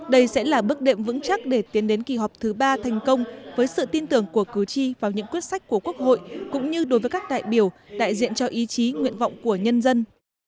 đây sẽ là bước đệm vững chắc để tiến đến kỳ họp thứ ba thành công với sự tin tưởng của cử tri vào những quyết sách của quốc hội cũng như đối với các đại biểu đại diện cho ý chí nguyện vọng của nhân dân